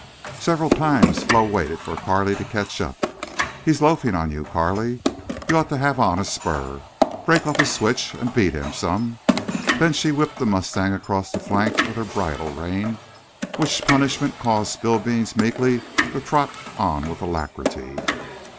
Several times Flo waited for Carley to catch up. "He's loafing on you, Carley. You ought to have on a spur. Break off a switch and beat him some." Then she whipped the mustang across the flank with her bridle rein, which punishment caused Spillbeans meekly to trot on with alacrity.